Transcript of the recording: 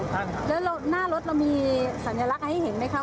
ครับผมก็ท่านได้เห็นสัญลักษณ์อย่างนี้นะครับ